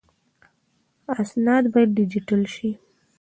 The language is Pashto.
اسناد باید ډیجیټل شي